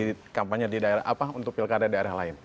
di kampanye di daerah apa untuk pilkada daerah lain